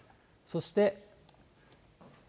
そして。